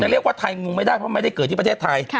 เรียกว่าไทยงงไม่ได้เพราะไม่ได้เกิดที่ประเทศไทย